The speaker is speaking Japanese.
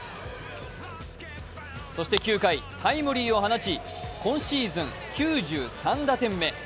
そして９回、タイムリーを放ち今シーズン９３打点目。